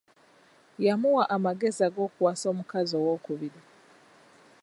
Yamuwa amagezi ag'okuwasa omukazi ow'okubiri.